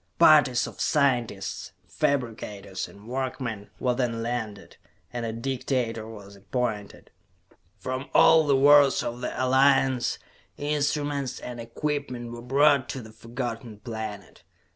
Parties of scientists, fabricators, and workmen were then landed, and a dictator was appointed. From all the worlds of the Alliance, instruments and equipment were brought to the Forgotten Planet.